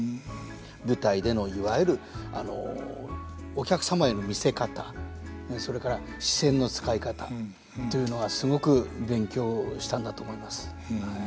舞台でのいわゆるお客様への見せ方それから視線の使い方というのがすごく勉強したんだと思います。